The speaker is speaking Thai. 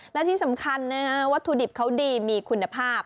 และที่สำคัญว่าทุ่อดิบเขาดีมีคุณภาพ